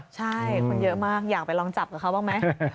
ใช่คนเยอะมากอยากไปลองจับกับเขาบ้างไหม